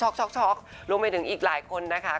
ช็อกรวมไปถึงอีกหลายคนนะคะ